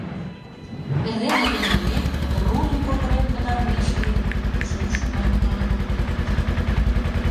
Эрдене кынелмек, руным кокырен пытарымешке, шӱлышымат налын ок керт.